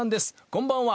こんばんは。